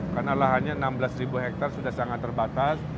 karena lahannya enam belas hektare sudah sangat terbatas